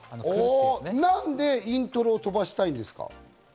なんでイントロを飛ばしたいんですか？